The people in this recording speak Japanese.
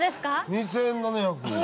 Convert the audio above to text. ２７００。